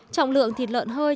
trọng lượng thịt lợn hơi